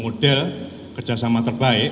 model kerjasama terbaik